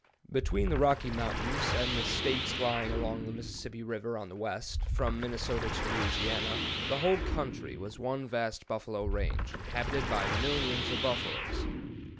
Between the Rocky Mountains and the States lying along the Mississippi River on the west, from Minnesota to Louisiana, the whole country was one vast buffalo range, inhabited by millions of buffaloes.